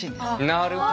なるほど。